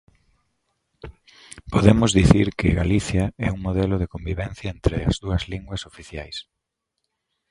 Podemos dicir que Galicia é un modelo de convivencia entre as dúas linguas oficiais.